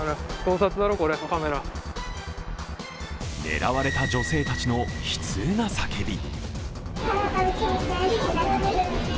狙われた女性たちの悲痛な叫び。